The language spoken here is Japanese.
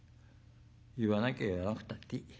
言わなきゃ言わなくたっていい。